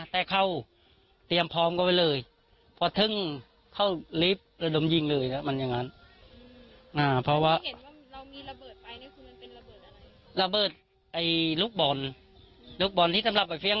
แต่เข้าเตรียมพร้อมกันไปเลย